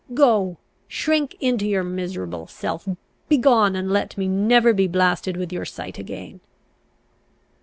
Go, shrink into your miserable self! Begone, and let me never be blasted with your sight again!"